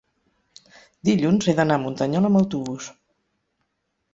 dilluns he d'anar a Muntanyola amb autobús.